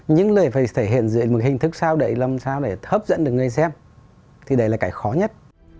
những lời phải thể hiện dưới một hình thức sao đấy làm sao để hấp dẫn được người xem thì đấy là cái khó nhất